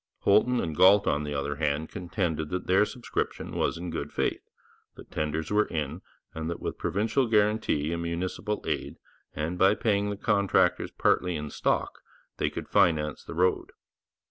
Holton and Galt, on the other hand, contended that their subscription was in good faith, that tenders were in, and that with provincial guarantee and municipal aid, and by paying the contractors partly in stock, they could finance the road.